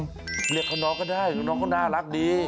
เรียกเขาน้องก็ได้น้องเขาน่ารักดี